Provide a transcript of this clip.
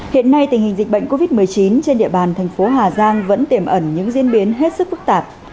hiện nay tình hình dịch bệnh covid một mươi chín trên địa bàn thành phố hà giang vẫn tiềm ẩn những diễn biến hết sức phức tạp